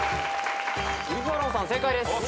ウルフ・アロンさん正解です。